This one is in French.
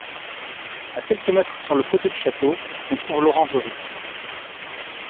À quelques mètres sur le côté du château, on trouve l'orangerie.